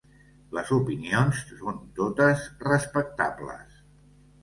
Les opinions són totes respectables.